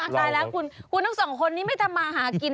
ตายแล้วคุณทั้งสองคนนี้ไม่ทำมาหากิน